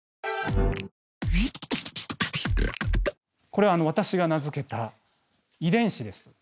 これ私が名付けた遺伝子です。